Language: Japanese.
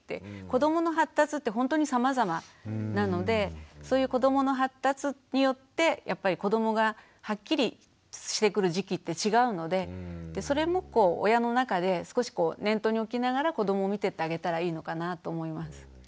子どもの発達ってほんとにさまざまなのでそういう子どもの発達によってやっぱり子どもがはっきりしてくる時期って違うのでそれも親の中で少しこう念頭に置きながら子どもを見てってあげたらいいのかなと思います。